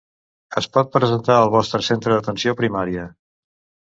Es pot presentar al vostre centre d'atenció primària.